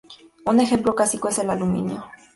Un ejemplo clásico es el aluminio.